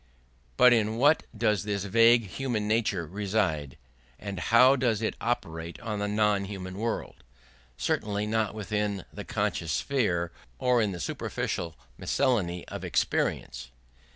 But in what does this vague human nature reside, and how does it operate on the non human world? Certainly not within the conscious sphere, or in the superficial miscellany of experience.